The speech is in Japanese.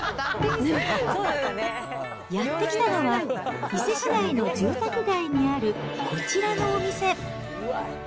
やって来たのは、伊勢市内の住宅街にあるこちらのお店。